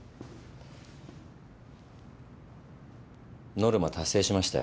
ノルマ達成しましたよ。